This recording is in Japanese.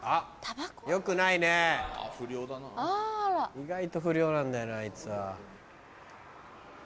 意外と不良なんだよなあいつは。